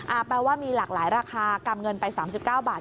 อ่าแปลว่ามีหลากหลายราคากำเงินไปสามสิบเก้าบาท